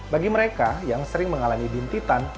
bagi mereka yang sering mengalami dintitan